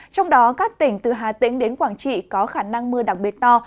trong đó các tỉnh từ hà tĩnh đến quảng trị có khả năng mưa đặc biệt to